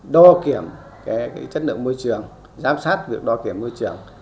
đo kiểm chất lượng môi trường giám sát việc đo kiểm môi trường